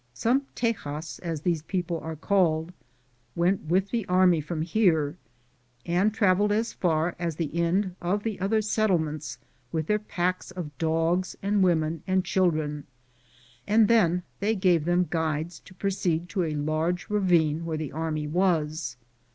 Some TeyaB,* as these people are called, went with the army from here and traveled as far as the end of the other settlements with their packs of dogs and women and children, and then they gave them guides to proceed to a large ravine where the army was.